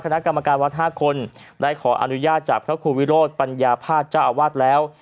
คณะกรรมการวัด๕คนได้ขออนุญาตจากพระครูวิโรธปัญญาภาคเจ้าอาวาสแล้ว